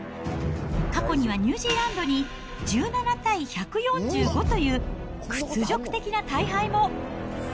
過去にはニュージーランドに１７対１４５という屈辱的な大敗も。